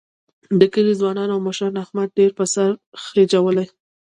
د کلي ځوانانو او مشرانو احمد ډېر په سر خېجولی.